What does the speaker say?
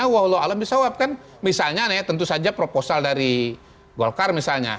wah allah alhamdulillah bisa wab kan misalnya tentu saja proposal dari golkar misalnya